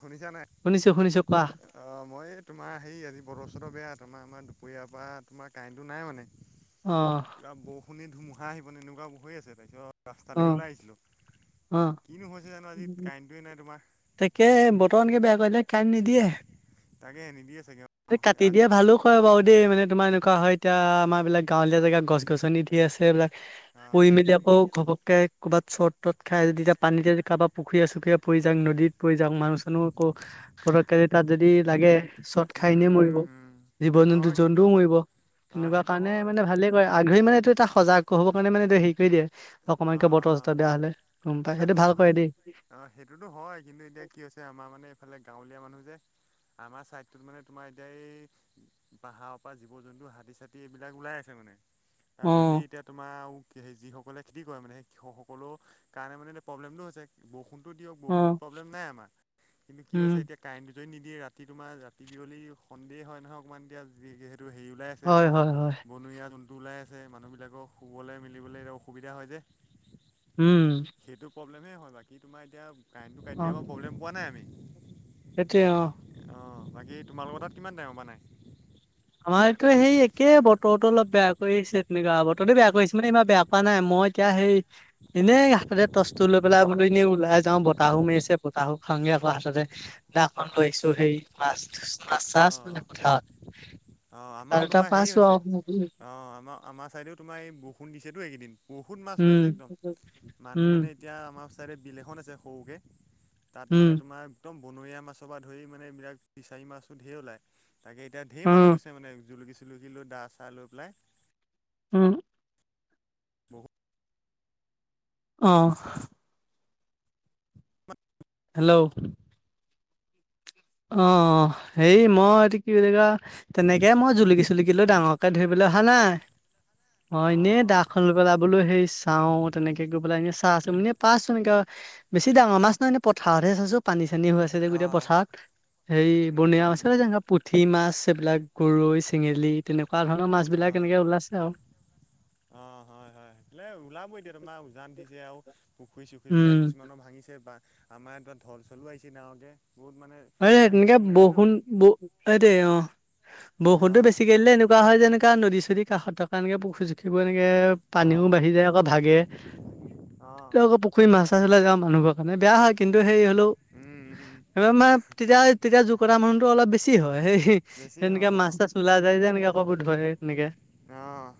শুনিছা নাই? শুনিছো- শুনিছো কোৱা? অ, মই এই তোমাৰ হেৰি আজি বতৰ- চতৰ বেয়া তোমাৰ আমাৰ দুপৰীয়াৰ পৰা তোমাৰ কাৰেণ্টটো নাই মানে। অ', কিবা বৰষুণ দি ধুমুহা আহিবনে এনেকুৱা হৈ আছে তাৰছত অ ৰাস্তালৈকে ওলাই আহিছিলোঁ অ কিনো হৈছে জানো আজি উম, কাৰেণ্টোৱে নাই তোমাৰ। তাকে বতৰ এনেকে বেয়া কৰি দিলে কাৰেণ নিদিয়ে তাকে নিদিয়ে চাগে অ এ কাটি আজি দিয়ে ভালো। হয় বাৰু দেই মানে তোমাৰ এনেকুৱা হয় এতিয়া আমাৰ এইবিলাক গাঁৱলীয়া জেগা গছ-গছনি দি আছে এইবিলাক অ পৰি মেলি আকৌ ঘপককে ক'বাত চৰ্ট তত খাই যদি এতিয়া পানীতে কাবা পুখুৰীয়ে- চুখুৰীয়ে পৰি জাং নদীত পৰি জাং মানুহ চানো আকৌ পতক কে তাত যদি লাগে চট খাই উম এনে মৰিব। উম উম জীৱ- সেইটো জন্তু হয় কিন্তু জন্তুও মৰিব অ এনেকুৱা সেইটো কাৰণে হয় মানে ভা ভালে বাৰু আগ্ৰহী। মানেতো এটা সজাগ হ'ব কাৰণে মানে এটো হেই কৰি দিয়ে। অ অকমান কে বতৰ চতৰ বেয়া হ'লে গম পাই অ সেইটো ভাল সেইটোতো কৰে দেই। অ, সেইটোতো হয় কিন্তু এতিয়া কি হৈছে আমাৰ মানে এইফালে গাঁৱলীয়া মানুহ যে আমাৰ চাইডটোত মানে তোমাৰ এতিয়া এই পাহাৰৰ পা জীৱ-জন্তু, হাতী-চাতি এইবিলাক ওলাই আছে মানে। আ, যদি অ', এতিয়া তোমাৰ উ সেই যিসকলে খেতি কৰে মানে সেই সকলোৰ কাৰণে মানে এতিয়া প্ৰব্লেমটো হৈছে বৰষুণটো দিয়ক বৰষুণটোত অ', প্ৰব্লেম নাই আমাৰ কিন্তু কি উম, হৈছে এতিয়া কাৰেণ্টটোটুই নিদিয়ে ৰাতি তোমাৰ ৰাতি বিয়লি সন্দেহ হয় নহয় অকমান এতিয়া যিহেতু হেৰি ওলাই আছে হয়, হয়, হয়, বনৰীয়া জন্তু ওলাই আছে মানুহ বিলাকক শুবলে মেলিবলে সুবিধা হয় যে। উম, সেইটো প্ৰব্লেমেই হয় বাকী তোমাৰ এতিয়া কাৰেণ্টটো কাতি অ', দিয়াই [unintelligible] প্ৰব্লেম পোৱা নাই আমি। সেইটোৱে অ, অ, বাকী তোমালোকৰ তাত কিমান টাইমৰ পা নাই? আমাৰ ইয়াতো সেই একে বতৰতো অলপ বেয়া কৰিছে তেনেকুৱা বতৰটো বেয়া কৰিছে মানে [unintelligible] বেয়া পা নাই মই এতিয়া সেই এনেই হাততে টচটো লৈ পেলাই বোলোঁ এনেই ওলাই যাওঁ বতাহো মাৰিছে বতাহো খাওঁগে আকৌ হাততে। দাখন লৈছোঁ হেৰি [unintelligible] মানে পথাৰত অ, তাল আমাৰো এটা দুটা তোমাৰ হেৰি পাইছো হৈছে আৰু অ, আমাৰ- আমাৰ ছাইডেও তোমাৰ এই বৰষুণ দিছেতো এইকেইদিন। বহুত মাছ ওলাইছে উম, একদম মানুহ উম, মানে এতিয়া আমাৰ ছাইডে বিল এখন আছে সৰুকে তাত উম, মানে তোমাৰ একদম বনৰীয়া মাছৰ পৰা ধৰি মানে এইবিলাক ফিচাৰী মাছো ধেৰ ওলায়। তাকে এতিয়া ঢেৰ মানুহ অ', গৈছে মানে জুলুকি- চুলুকি লৈ দা চাহ লৈ পেলাই। উম, বহুত অ', হেল্ল', অ, হেৰি মই এইটো কি বুলি কয় তেনেকে মই জুলুকি-চুলুকি লৈ ডাঙৰ তে ধৰিবলৈ অহা নাই মই ইনে অ', দাখন লই পেলাই বোলোঁ হেৰিছ তাও তেনেকে গৈ পেলাই এনে চাহ আছোঁ মানে পাছোন এনকা বেছি ডাঙৰ মাছ ন' এনে পথাৰতে আছে চব পানী চানী হৈ আছে। এতিয়া যে অ', গোটেই অ', পথাৰত সেই উম, বনিয়া উম, মাছে যেনেকা পুঠি মাছ সেইবিলাক গৰৈ চেঙেলী তেনেকুৱা ধৰণৰ মাছবিলাক অ', এনেকে ওলাইছে আৰু। অ, হয়-হয় সেইফালে ওলাব এতিয়া তোমাৰ উজান উঠিছে আওঁ। পুখুৰী উম চুখুৰীবিলাক কিছুমানৰ ভাঙিছে বা আমাৰ ধৰ ঢল চলো আহিছি না আহোঁতে বহুত মানে [unintelligible] ভাঙি তেনেকে চিঙি আনেতো বৰষুণ ব এইটোই অ, বৰষুণটো অ', বেছিকে এনেকু এনেকুৱা হয় যেনেকা নদী -চদী কাষত থকা এনেকে পুখী, -চুখুৰিবোৰ এনেকে পানীও অ', বাঢ়ি যায় আকৌ ভাগে অ', ত' আকৌ কুই মাছ চাছ উলাই যায় মানুহৰ কাৰণে বেয়া হয় কিু সেই হলেও উম-উম-উম। এইবাৰ মানে তেতিয়া-তেতিয়া জুকৰ আমাউন্তটো অলপ বেছি হয় সেই বেছি তেনেকে হয় মাছ অ', তাছ ওলাই যায় যে এনেকে আক এইবোৰ ধৰে তেনেকে।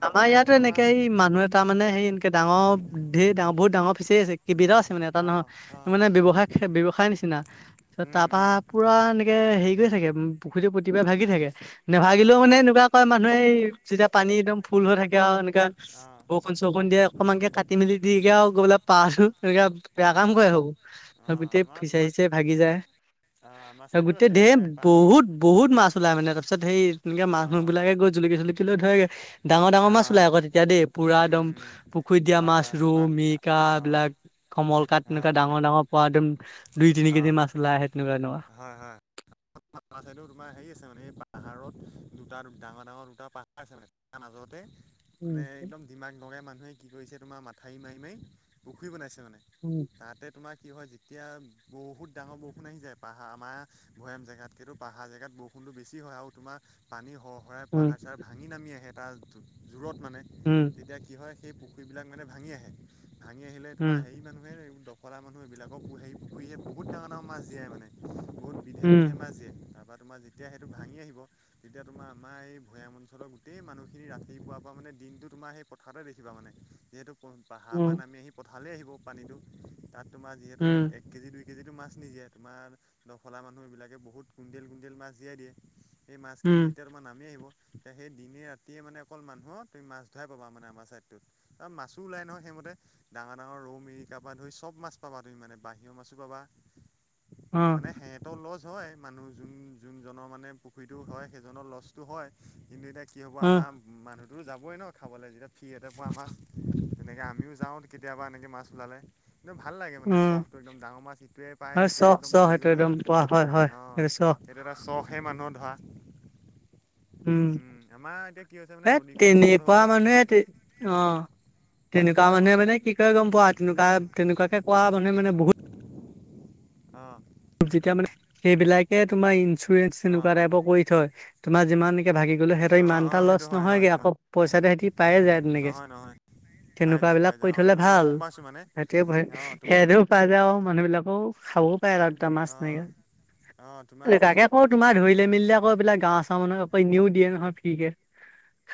আমাৰ ইয়াতো এনেকে এই মানুহ তাৰমানে হেৰি এনেকে ডাঙৰ ধেৰ ডাঙ বহুত ডাঙৰ ফিচাৰী আছে কিবিধ আছে মানে এটা নহয় অ', অ', মানে ব্যৱসায়- ব্যৱসায়ৰ নিচিনা উম, তাৰপা উম, পুৰা এনেকে হেৰি কৰি থাকে পুখুৰীতো প্ৰত্যেকবাৰ ভাগি থাকে। অ', নেভাগিলেও মানে এনেকুৱা কয় মানুহে এই যেতিয়া পানী একদম ফুল হৈ থাকে আৰু এনেকা অ', বৰষুণ- চৰষুণ দিয়ে অকণমানকে কাটি মেলি দিগে আৰু গৈ পেলাই পাচো আৰু এনে বেয়া কাম অ', কৰে ভাবুম আৰু অ', গোটেই আমাৰ ফিচাই তোমাৰ চিচাই ভাগি যায় অ', আমাৰ আৰু চাইডেও গোটেই আছে ধেৰ তোমাৰ বহুত পা বহুত-বহুত মাছ ওলাই মানে তাৰপাছত সেই তেনেকে মানুহ অ', বিলাকে গৈ জুলুকি -চুলুকি লৈ ধৰেগে। ডাঙৰ -ডাঙৰ অ', মাছ ওলাই অ', আকৌ তেতিয়া দেই পুৰা উম, একদম উম, পুখুৰীত দিয়া হয়, মাছ হয়, ৰৌ, আমাৰ অ', মিৰ্কা অ', এইবিলাক কমল কাত অ', তেনেকুৱা ডাঙৰ -ডাঙৰ পোৱা একদম দুই- তিনি কেজি মাছ উলাই আহে তেনেকুৱা-তেনেকুৱা। হয়-হয়। [unintelligible] সেইটো তোমাৰ হেৰি আছে মানে এই পাহাৰত দুটা ডাঙৰ- ডাঙৰ দুটা পাহাৰ আছে মানে আনা জৰতে উম মানে একদম ডিমাগ নগাই মানুহে কি কৰিছে তোমাৰ মাথাউৰি মাৰি -মাৰি পুখুৰী বনাইছে মানে। উম, তাতে তোমাৰ কি হয় যেতিয়া বহুত ডাঙৰ বৰষুণ আহি যায় পাহাৰ আমাৰ ভৈয়াম জেগাত। যিহেতু পাহাৰ জেগাত বৰষুণটো বেছি হয় আৰু তোমাৰ পানী সৰ- সৰাই উম পাহাৰ-চাহাৰ ভাঙি নামি আহে তাৰ জোৰত মানে তেতিয়া কি হয় সেই পুখুৰবিলাক মানে ভাঙি আহে ভাঙি আহিলে উম তোমাৰ হেৰি মানুহ [unintelligible] মানুহ এবিলাকক পুহে পুখুৰীয়ে বহুত ডাঙৰ - ডাঙৰ মাছ দিয়ে মানে বহুত বিধে -বিধে উম মাছ দিয়ে তাৰপা তোমাৰ যেতিয়া সেইটো ভাঙি আহিব যেতিয়া তোমাৰ আমাৰ এই ভৈয়াম অঞ্চলৰ গোটেই মানুহখিনি ৰাতিপুৱাৰ পৰা মানে দিনটো তোমাৰ সেই পথাৰতে দেখিবা মানে যিহেতু প পাহাৰৰ পৰা উম নামি আহি পথাৰলে আহিব পানীটো তাত তোমাৰ যিহেতু উম এক এক কেজি, দুই কেজিটো মাছ নিদিয়ে তোমাৰ দখলা মানুহ এইবিলাকে বহুত কুইণ্টেল- কুইণ্টেল মাছ জিয়াই দিয়ে। এই মাছখিনি উম যেতিয়া তোমাৰ নামি আহিব এতিয়া সেই দিনে ৰাতিয়ে মানে অকল মানুহ তুমি মাছ ধৰাই পাবা মানে আমাৰ ছাইডটোত। অ, মাছো ওলাই নহয় সেইমতে ডাঙৰ -ডাঙৰ ৰৌ [unintelligible] তাপা ধৰি চব মাছ পাবা তুমি মানে বাহিৰা মাছো পাবা উম অ মানে হেহেত তেওঁৰ লছ হয় মানুহ যোন- যোনজনৰ মানে পুখুৰীটো হয় সেইজনৰ লছটো হয় কিন্তু এতিয়া কি হ'ব অ আমাৰ মানুহটো যাবই ন' খাবলে যেতিয়া ফ্ৰী এতে পোৱা মাছ তেনেকে আমিও যাওঁ কেতিয়াবা এনেকে মাছ ওলালে। [unintelligible] ভাল লাগে মানে অ চফটো একদম ডাঙৰ মাছ ইিটোৱে পায় হয় সিটোৱে চখ একদম চখ দহি সেইটো গুড একদম হয়। পোৱা হয় হয় ৰিচ। সেইটো এটা চখহে মানুহৰ ধৰা। উম, আমাৰ এতিয়া কি হৈছে মানে এ নদীখন ওপৰত হৈ তেনেুৱা গ'ল মানুহে অ, অঁ তেনেকুৱা তাৰ মানুহে মানে কি কয় গম পোৱা তেনেকুৱা-তেনেকুৱাকে কোৱা মানুহে মানে বহুত অ', যেতিয়া মানে সেইবিলাকে তোমাৰ ইঞ্চুৰেঞ্চ অঁ এনেকুৱা অঁ টাইপৰ কৰি থয় তোমাৰ যিমানকে ভাগি গলে সিহঁত অঁ ইমান অঁ এটা লছ সেইটো হয় হয় নহয়গে আকৌ পইচাতে সিহতি পাই যায় তেনেকে। নহয় নহয় পাই তেনেকুৱা যায় পাই বিলাক যায় কৰি অঁ থলে সেইটো মই ভাল গম পাইছোঁ মানে সেটোৱে অঁ [unintelligible] পাই যায় আৰু মানুহ বিলাকও খাবও পাৰএটা, দুটা মাছ অঁ অঁ তেনেকে তোমাৰ ইঞ্চু [unintelligible] তোমাৰ ধৰিলে মেলিলে আকৌ এইবিলাক গাঁও-চাও মানুহে আকৌ এনেও দিয়ে নহয় ফ্ৰীকে।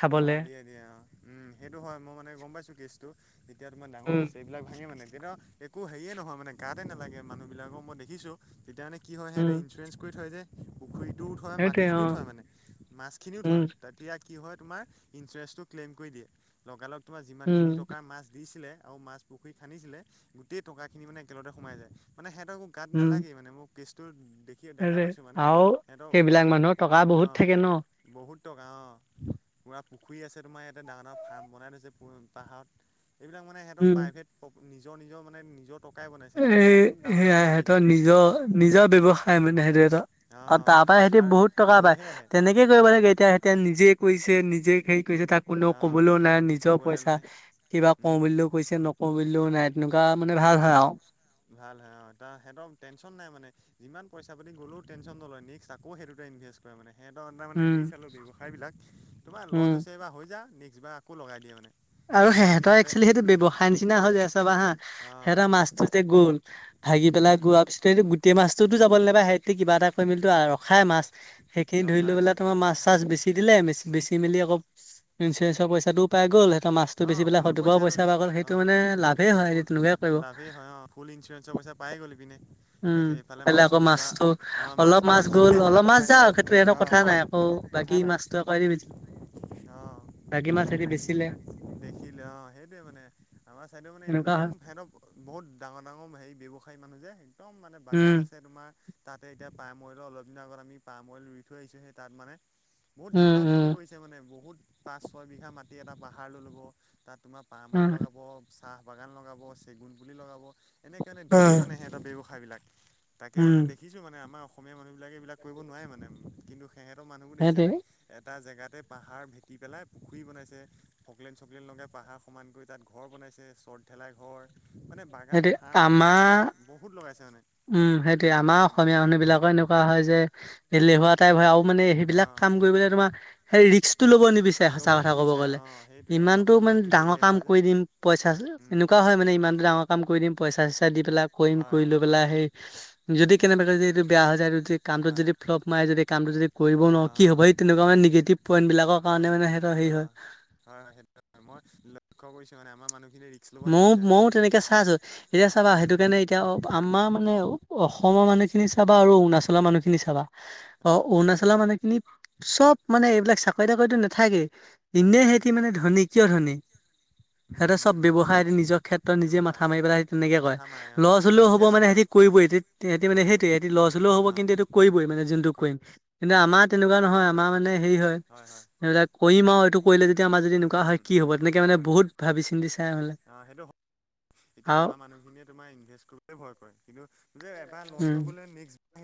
অ, দিয়ে - দিয়ে অ, উম, সেইটো হয় মই মানে গম পাইছো কেছটো যেতিয়া তোমাৰ ডাঙৰ উম ফিচাৰি এইবিলাক ভাঙে মানে কিত একো হেৰিয়ে নহয় মানে গাতে নেলাগে মানুহবিলাকৰ মই দেখিছোঁ। তেতিয়া মানে কি হয় উম সিহঁতে ইঞ্চুৰেঞ্চ কৰি থয় যে। পুখুৰীটোও থয়, সেইটোৱে অ মাটিখিনিও থয় মানে মাছখিনিও উম থয় তেতিয়া কি হয় তোমাৰ ইঞ্চোৰেঞ্চটো ক্লেম কৰি দিয়ে লগা লগ তোমাৰ যিমান উম খিনি টকাৰ মাছ দিছিলে আওঁ মাছ পুখুৰী খান্দিছিলে গোটেই টকা খিনি মানে একেলগতে শুমাই যায় মানে সিহঁতৰ একো গাত উম নালাগেই মানে মোক কেছটোত দেখিয়ে দেখা আৰে পাইছোঁ মানে আৰু সিহঁতক সেইবিলাক মানুহৰ টকা অ, বহুত থাকে ন। বহুত টকা অ, পুৰা পুখুৰী আছে তোমাৰ ইয়াতে ডাঙৰ - ডাঙৰ ফাৰ্ম বনাই থৈছে পাহাৰত এইবিলাক মানে সিহঁতৰ প্ৰাইভেট [unintelligible] নিজৰ- নিজৰ মানে নিজৰ টকাই বনাইছে এ মানে কম ডাঙৰ ডাঙৰ সেয়াই মালিক সিহঁতৰ এইবিলাক। নিজৰ নিজা মানে সিহতেৰ এটা। অ, অঁ তাৰ পাই থাৰ সিহতি চাৰ বহুত টকা পায় লৈহে আহে তেনেক কি কৰিব লাগে এতিয়া-এতিয়া নিজে কৰিছে, নিজে হেৰি কৰিছে তাক কোনেও অঁ কবলেও নাই নিজৰ ক'বলৈ পইচা নাই। কিবা কওঁ উম বুলিও কৈছে নক অ, বুলিলেও নাই, তেনেকুৱা মানে ভাল হয় আৰু। ভাল হয় অ, ত' সিহঁতক টেনচন নাই মানে। যিমান পইচা-পাতি গ'লও টেনচন নলয় নেক্সট আকৌ সেইটোতে ইনভেষ্ট তই মানে সিহঁতৰ আন্দাৰত মানে উম, হেৰি চালোঁ ব্যৱসায়বিলাক তোমাৰ লছ উম। হৈছে বা হৈ যা নেক্সটবাৰ আকৌ লগাই দিয়ে মানে। আৰু এতিয়া আমি সেহঁতৰ তাতে একচুলি সেইটো ব্যৱসায় নিচিনা হৈ যায় চাবা হা অঁ সিহঁতৰ মাছটো যে গ'ল ভাগি উম পেলাই গোৱাৰ পিছত গোটেই মাছটোতো যাবলে নেপাই সিইতি কিবা এটা কৰি মেলিতো আৰু ৰখাই মাছ। সেইখিনি ধৰি লৈ ৰখাই অঁ গ'লে, তোমাৰ জ্ঞান পায় মাছ-চাছ বেছি দিলে, মেছি বেচি মেলি অকৌ, ইঞ্চুৰেঞ্চৰ পইচাটোও পাই গ'ল। ত মাছটো বেচি অঁ পেলাই ফুল সইতোৰ পৰাও পইচাটো পইচা পায়, সেইটো অঁ মানে লাভেই হয়, সেই ফুল তেনেকুৱাই কৰিব। লাভেই হয় অ ফুল ইঞ্চুৰেঞ্চৰ পইচা, পায় গ'ল এইপিনে। উম, কাইলে লে আকৌ মাছটো অলপ মাছটো মাছ ৰাখি গ'ল দিলে যিমান অলপ মাছ পায় যাওক সেইটো একো অঁ কথা নাই। আকৌ বাকী কথা নাই মাছটো আকৌ, অ বাকী মাছ ইসেতি বেচিলে। দেখিলে অ, সেইটোয়ে মানে, আমাৰ চাইডে মানে এনে তেনেকুৱা একদম হয় ফেদত বহুত ডাঙৰ-ডাঙৰ হেৰি ব্যৱসায়ী মানুহ যে, একদম মানে বাগান উম আছে তোমাৰ। তাতে এতিয়া পাহমৰিলো অলপ দিনৰ আগত আমি পাহমৰিইল ৰুই থৈ আহিছোহে, তাত মানে বহুত উম ডাঙৰ-ডাঙৰ খেতি উম কৰিছে। তাতে মানে বহুত পাঁচ, ছয়বিঘা মাটি এটা পাহাৰ লৈ ল'ব তাত তোমাৰ পাহমইল উম লগাব। চাহ বাগান লগাব, চেগুন পুলি লগাব এনেকে-এনেকে ঢেৰ মানে উম সিহঁতৰ ব্যৱসায়বিলাক। তাকে মানে উম। দেখিছো মানে আমাৰ অসমীয়া মানুহবিলাকে এইবিলাক কৰিব নোৱাৰে মানে, কিন্তু সিহঁতৰ মানুহবোৰ সেইটোৱে দেখিছানে এটা জেগাতে পাহাৰ ভেটি পেলাই, পুখুৰী বনাইছে। ফকলেন-চকলেন লগাই পাহাৰ সমান কৰি তাত ঘৰ বনাইছে, চৰ্থ ঠেলাই ঘৰ। মানে বাগান, সেইটোৱে আমাৰ ফাৰ্ম বহুত লগাইছে মানে। উম, সেইটোৱে উম আমাৰ উম অসমীয়া মানুহ বিলাকৰ এনেকুৱা হয় যে এলেহুৱা টাইপ হয় আৰু মানে সেইবিলাক অঁ কাম কৰিবলে তোমাৰ সেই ৰিস্কটো ল'ব নিবিচাৰে, ল'ব সঁচা কথা ক'ব নিবিচাৰে গ'লে, অঁ সেইটোৱে আমাৰ ইমানতো অসমীয়া মানে মানুহখিনি ডাঙৰ এলেহুৱা কাম যে কৰি দিম। পইচা আছে, উম এনেকুৱা হয় মানে ইমানটো ডাঙৰ কাম কৰি দিম পইচা-চইচা দি পেলাই কৰিম হয় কৰি হয় লৈ পেলাই সেই যদি কেনেবাকে যদি এইটো বেয়া হৈ যায়, যদি কামটোত হয় যদি ফ্লপ মাৰে, যদি কামটো যদি কৰিব নোৱাৰো। অঁ কি অঁ হ'ব সেই তেনেকুৱা মানে নিগেটিভ পইন্ট বিলাকৰ কাৰণে মানে সিহঁতৰ হেৰি হয়। হয়-হয়, সেইটো হয় মই লক্ষ্য কৰিছো মানে আমাৰ মানুহখিনি ময়ো-ময়ো তেনেকে চাই আছো, এতিয়া চাবা উম সেইটো কাৰণে এতিয়া অ, আমাৰ মানে আৰু অসমৰ মানুহখিনি চাবা আৰু অৰুণাচলৰ মানুহখিনি চাবা অ, অঁ অৰুণাচল পালা মানে খিনি, চব মানে এইবিলাক চাকৰি- তাকৰিটো নাথাকে। ইনে উম সিহঁতি মানে ধনী। কিয় ধনী উম সিহঁতৰ চব উম ব্যৱসায় হয় নিজৰ ক্ষেত্ৰত নিজে ব্যৱসায় মাথা মাৰি পেলাই সে তেনেকে কয়। মাথা মাৰে অ লছ হ'লেও হ'ব, ইনভেষ্ট মানে কৰে সিহতি কৰিবই, সিহঁতি মানে কৰিবই সেইটোৱে, লছ হ'লেও হ'ব। অ কিন্তু এইটো কৰিবই মানে, যোনটো কৰিম কিন্তু আমাৰ তেনেকুৱা নহয়, আমাৰ মানে হেৰি হয় সেইবিলাক কৰিম আৰু এইটো কৰিলে যদি আমাৰ যদি এনেকুৱা উম হয় কি উম হ'ব তেনেক সেইটো মানে হয় বহুত ভাবি চি চাই হ'লে। অ, সেইটো এতিয়া আৰু আমাৰ মানুহখিনিয়ে তোমাৰ ইনভে কৰিব ভয় কৰে কিন্তু এবাৰ লষ্ট উম হৈ গলে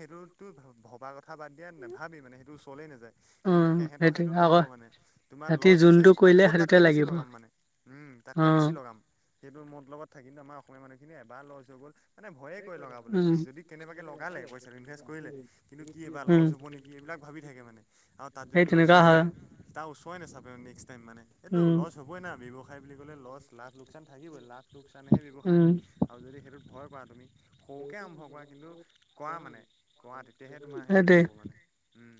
সেইটোতো ভবা কথা বাদ দিয়া, নাভাবে মানে সেইটো ওচৰলেই নাযায়। কিন্তু উম, সেহঁতৰ সেইটো আকৌ নহ'ব মানে। তোমাৰ সিহঁতি লছ হৈছে যোনটো কৰিলে আকৌ সেইটোতে তাতকে বেছি লাগিব। লগাম মানে উম, অ', তাতকে বেছি উম, লগাম। সেইটো মতলবত থাকিলে, আমাৰ অসমীয়া মানুহখিনি এবাৰ লছ হৈ গ'ল। মানে ভয়ে কৰে লগাবলে, যদি কেনেবাকে লগালে পইচাটো ইনভেষ্ট কৰিলে। উম। কিন্তু কি এইবাৰ লছ হ'ব নেকি, এইবিলাক ভাবি থাকে মানে। আৰু তাত যদি সেই লছো তেনেকুৱা হৈ হয়, যায়, তাৰ ওচৰ নাচাপে নেক্স টাইম মানে, এইটো উম, লছ হ'বই না ব্যৱসায় ব্যৱসায় বুলি ক'লে লচ লাভ লোকচান থাকিবই লাভ লোকচানহে ব্যৱসায় উম। আৰু যদি সেইটোত ভয় কৰা তুমি সৰুকে আৰম্ভ কৰা কিন্তু কোৱা মানে কোৱা তেতিয়াহে তোমাৰ হেৰিটো সেইটোৱে, হ'ব মানে। উম,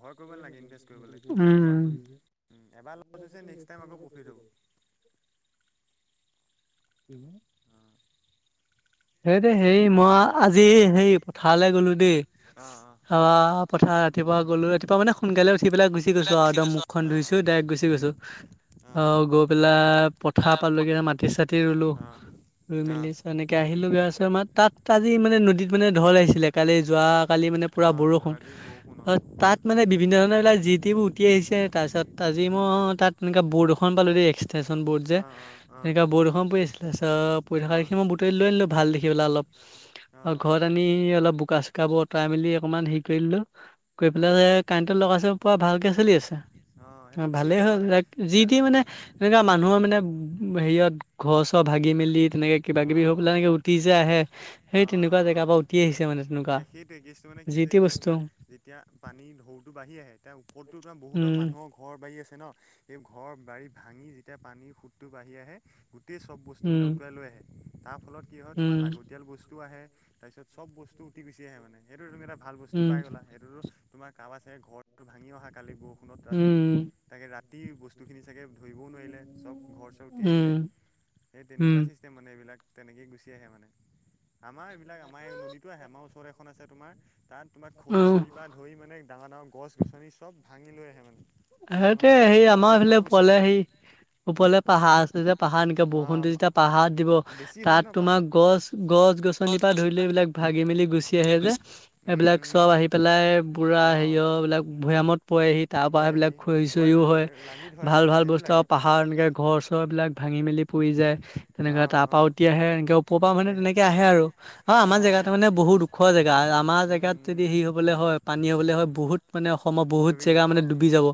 ভয় কৰিব নালাগে ইনভেষ্ট কৰিবলৈ কাম উম। কৰা এবাৰ লছ হৈছে নেক্সট টাইম আকৌ প্ৰফিট হ'ব। হ। [inaudible] সেই দে হেৰি মই আজি হেই পথাৰলৈ গলো দেই। অ, পথাৰ ৰাতিপুৱা গ'লো ৰাতিপুৱা মানে সোনকালে উঠি পেলাই গুচি বিলাক গৈছো আৰু ডাইৰেক্ট অ অ মুখখন ধুইছো ডাইৰেক্ট গুচি গৈছো। অ, গৈ পেলাই পথাৰ পালগে মাটি-চাটি ৰুলো অ ৰুই অ মেলি এনেকে কে আহিলো বেয়াছ আমাৰ তাত আজি মানে নদীত মানে ঢল আহিছিলে। কালি যোৱাকালি মানে অ পুৰা অ', বৰষুণ। ৰাতি বৰষুণ অ, তাত মানে বিভিন্ন ধৰণৰ এইবিলাক জি টিবোৰ উটি আহিছে তাৰপিছত আজি উম। মই তাত তেনেকা বৰ্ড এখন পালো দেই এক্সটেনশ্যন বৰ্ড যে। অ অ অ তেনেকুৱা ব'ৰ্ডএখৰ পৰি আছিলে পৰি থকা অ দেখি মই বুটল লৈ আনিলো ভাল দেখিব পাই অলপ অ আও ঘৰত আনি আনি অলপ বোকা-চোকা বোৰ অতৰাই মেলি অকনমান হেৰি কৰিলো। কৰি অ পেলাই যে কাৰেণ্টত লগাইছে পোৱা ভালকে চলি আছে। অ, সেইটো কি ভালেই হৈছে হল মানে এতিয়া যিটি মানে এনেকুৱা অ অ'। মানুহৰ মানে হেৰিয়ত ঘৰ-চৰ ভাগি-মেলি তেনেকে কিবা-কিবি হওক বোলা অ', এনেকে উটি যায় আহে সেই অ', তেনেকুৱা জেগাৰ অ', পৰা উঠি আহিছে মানে তেনেকুৱা। এ সেইটোৱে কেছটো মানে কি যি হৈছে টি এতিয়া বস্তু। তোমাৰ যেতিয়া পানী ঢৌটো বাঢ়ি আহে তেতিয়া ওপৰতো বহুতৰ উম মানুহ ঘৰ-বাৰী আছে ন সেই ঘৰ বাৰী ভাঙি যেতিয়া পানীৰ সুতটো বাঢ়ি আহে গোটেই চব বস্তু মান উম উটুৱাই লৈ আহে। তাৰ ফলত কি হয় তোমাৰ উম লাগতিয়াল বস্তু আহে তাৰপিছত চব বস্তু উটি গুচি আহে মানে। সেইটো তুমি এটা ভাল বস্তু উম পাই গ'লা সেইটোতো তোমাৰ কাৰোবাৰ চাগে ঘৰটো ভাঙি অহা কালিৰ বৰ ষুণত ৰাতি উম তাকে ৰাতি বস্তুখিনি চাগে ধৰিবও নোৱাৰিলে চব। ঘৰ-চৰ উতি আহিলে উম সেই উম তেনেকুৱা চিষ্টেম মানে এইবিলাক তেনেকে গুচি আহে মানে। আমাৰ এইবিলাক আমাৰ এই নদীতো আহে আমাৰ ওচৰ এখন আছে তোমাৰ তাত তোমাক উম খৰি-চৰি পৰা ধৰি মানে ডাঙৰ ডাঙৰ গছ গছনি চব ভাঙি লৈ আহে মানে। মানুহৰ সেইটোৱে বস্তু সেই আমাৰ পাতি চব এফালে গুচি পলে আহে সেই ওপৰলে পাহাৰ আছে যেতিয়া পাহাৰ এনেকা অ বৰষুণটো যেতিয়া পাহাৰ দিব। বেছি হয় ন তাত তোমাৰ পাহাৰ গছ গছ গছ-গছনিৰ পৰা ধৰি লৈ গছনি এইবিলাক ভাগি মেলি গুচি মিলি আহে যে। উম এইবিলাক উম চব আহি পেলাই পুৰা অঁ হেৰিয় এইবিলাক ভৈয়ামত পৰেহি তাৰ পৰা পোৱাইহি সেইবিলাক খৰি খৰিও হয় ক'ৰবাত লাগি ধৰে ভাল ভাল বস্তু আও সেইবিলাকেই পাহ হাৰ এনেকে ঘৰ চৰবিলাক ভাঙি মেলি পৰি যায়। তেনেকুৱা অঁ তাৰপৰা উতি অঁ আহে এনেকে ওপৰ পৰা মানে তেনেকে আহে আৰু। আ আমাৰ অঁ জেগাত মানে অঁ বহুত দুখৰ জেগা আমাৰ জেগাত যদি হেৰি হ'বলে হয় পানী হ'বলে হয় বহুত মানে অসমৰ বহুত ডুবি জেগা যাব মানে অঁ ডুবি যাব।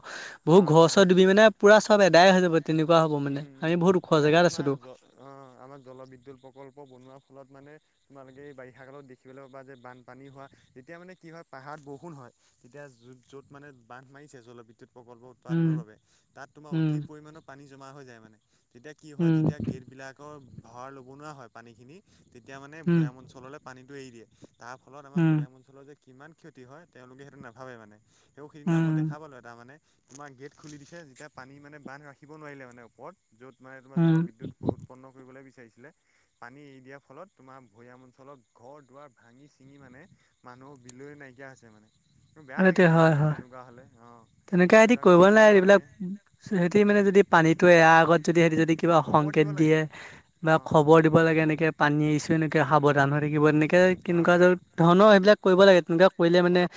বহুত অঁ হয় ঘৰ-চৰ হয় ডুবি মানে পুৰা চব এদায় হৈ যাব তেনেকুৱা হব উম মানে উম আমি বহুত ওখৰ সেইদিনাখন জেগাত তোমাৰ আছোতো। জ অ, আমাৰ জলবিদ্যুৎ প্ৰকল্প বনোৱাৰ ফলত মানে তোমালোকে এই বাৰিষা কালত দেখিবলৈ পাবা যে বানপানী হোৱা যেতিয়া মানে কি হয় পাহাৰত বৰষুণ হয় তেতিয়া য'ত মানে বান্ধ মাৰিছে জলবিদ্যুৎ প্ৰকল্প উম উৎপাদনৰ বাবে। তাত তোমাৰ অধিক উম পৰিমাণৰ পানী জমা হৈ যায় মানে। তেতিয়া কি হয় উম যেতিয়া গেটবিলাকৰ ভাৰ ল'ব নোৱাৰা হয়। পানীখিনি তেতিয়া মানে উম ভৈয়াম অঞ্চললে পানীটো এৰি দিয়ে, তাৰ ফলত আমাৰ উম ভৈয়াম অঞ্চলৰ যে কিমান ক্ষতি হয় তেওঁলোকে সেইটো নাভাবে মানে সেই সেইদিনা মই উম দেখা পালোঁ এটা মানে তোমাৰ গেট খুলি দিছে যেতিয়া পানী মানে বান্ধ ৰাখিব নোৱাৰিলে মানে ওপৰত য'ত মানে তোমাৰ উম জলবিদ্যুত উৎপন্ন কৰিবলৈ বিচাৰিছিলে পানী এৰি দিয়াৰ ফলত তোমাৰ ভৈয়াম অঞ্চলত ঘৰ-দুৱাৰ ভাঙি-চিঙি মানে মানুহৰ বিলৈ নাইকিয়া হৈছে মানে। বেয়া সেইটোৱে লাগে মানে হয় সেইবিলাক হয় তেনেকুৱা হলে অ। তেনেকুৱা সেতি কৰিব নালাগে এইবিলাক সেতি মানে যদি পানীটো এৰা আগত যদি সেতি যদি কিবা খবৰ দিব সংকেত লাগে দিয়ে বা অঁ খবৰ দিব লাগে এনেকে পানী এছো এনেকে সাৱধান হৈ থাকিব এনেকে। হয় কেনেকুৱা ধৰ ধৰণৰ সেইবিলাক কৰিব লাগে। তেনেকুৱা কৰিলে হয় মানে